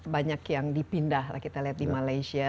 banyak yang dipindah lah kita lihat di malaysia